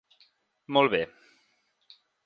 Molt bé.